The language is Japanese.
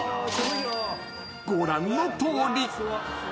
［ご覧のとおり］